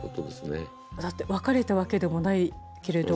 だって別れたわけでもないけれど。